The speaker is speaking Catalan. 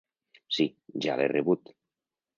Si, ja l'he rebut.